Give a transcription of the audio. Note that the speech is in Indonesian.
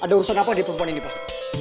ada urusan apa di perempuan ini pak